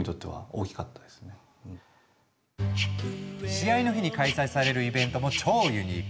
試合の日に開催されるイベントも超ユニーク。